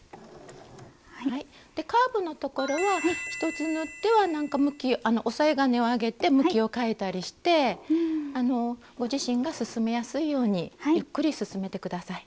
でカーブのところは１つ縫っては押さえ金を上げて向きを変えたりしてご自身が進めやすいようにゆっくり進めて下さい。